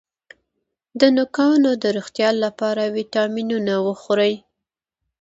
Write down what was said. د نوکانو د روغتیا لپاره ویټامینونه وخورئ